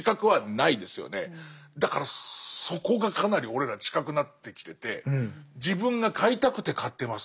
だからそこがかなり俺ら近くなってきてて自分が買いたくて買ってます。